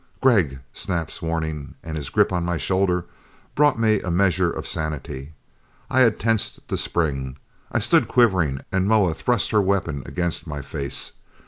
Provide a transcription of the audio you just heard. "Gregg!" Snap's warning, and his grip on my shoulders brought me a measure of sanity. I had tensed to spring. I stood quivering, and Moa thrust her weapon against my face.